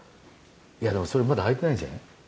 でもそれまだ開いてないんじゃない？